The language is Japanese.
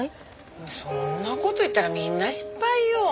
そんな事言ったらみんな失敗よ。